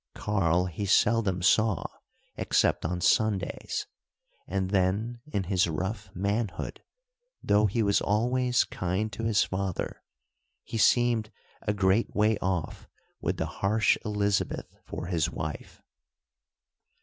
Karl he seldom saw except on Sundays, and then, in his rough manhood, though he was always kind to his father, he seemed a great way off with the harsh Elizabeth for his wife.